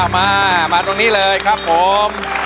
มามาตรงนี้เลยครับผม